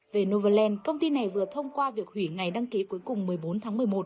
về novaland công ty này vừa thông qua việc hủy ngày đăng ký cuối cùng một mươi bốn tháng một mươi một